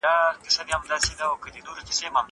هغه وويل چي لوبه ښه ده!!